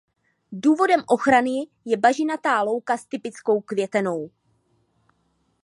Důvodem ochrany je bažinatá louka s typickou květenou.